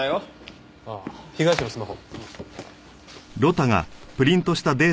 ああ被害者のスマホ。